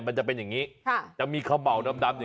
มันจะเป็นอย่างนี้จะมีเข้าเบ่าดำอย่างนี้